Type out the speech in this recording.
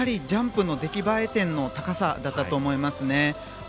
ジャンプの出来栄え点の高さだったと思いますね。